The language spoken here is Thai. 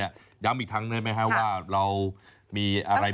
ย้ำอีกครั้งเลยไม่ให้ว่าเรามีอะไรบ้าง